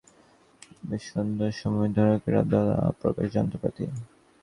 Lathe মেশিনে লোহা কেটে তৈরি করা হচ্ছে বিভিন্ন ধরনের হালকা প্রকৌশল যন্ত্রপাতি।